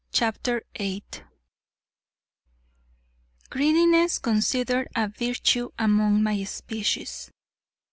CHAPTER VIII "Greediness considered a virtue among my species."